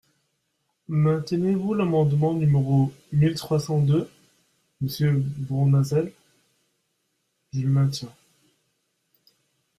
Maintenez-vous l’amendement numéro mille trois cent deux, monsieur Bournazel ? Je le maintiens.